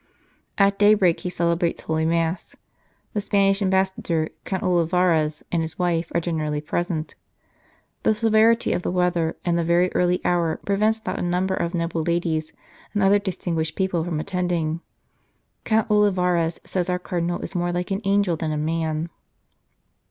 At daybreak he celebrates Holy Mass ; the Spanish Ambassador, Count Olivarez, and his wife, are generally present. The severity of the weather and the very early hour prevents not a number of noble ladies and other distinguished people from attending. Count Olivarez says our Cardinal is more like an angel than a man."